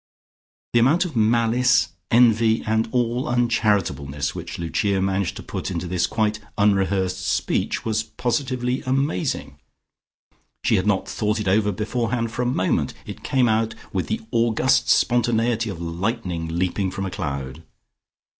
The amount of malice, envy and all uncharitableness which Lucia managed to put into this quite unrehearsed speech was positively amazing. She had not thought it over beforehand for a moment; it came out with the august spontaneity of lightning leaping from a cloud.